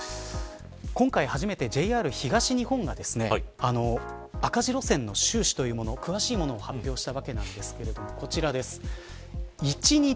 今回、初めてＪＲ東日本が赤字路線の収支というもの詳しいものを発表しました。